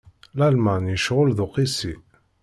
Lalman yecɣel d uqisi.